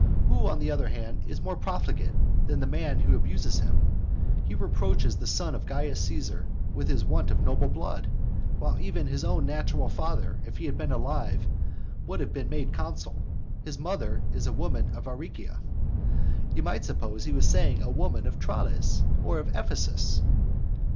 Who, on the other hand, is more profligate than the man who abuses him? He reproaches the son of Caius Caesar with his want of noble blood, when even his natural father, if he had been alive, would have been made consul. His mother is a woman of Aricia. You might suppose he was saying a woman of Tralles, or of Ephesus.